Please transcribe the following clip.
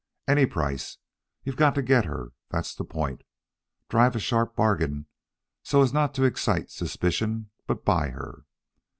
"Any price. You've got to get her, that's the point. Drive a sharp bargain so as not to excite suspicion, but buy her.